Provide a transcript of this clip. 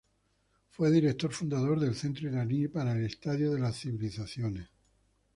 Fue director fundador del Centro Iraní para el Estudio de las Civilizaciones.